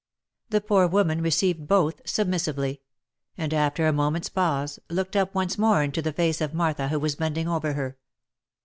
The poor woman received both submissively ; and after a moment's pause, looked up once more into the face of Martha who was bending over her.